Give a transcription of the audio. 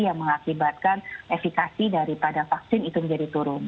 yang mengakibatkan efekasi daripada vaksin itu menjadi turun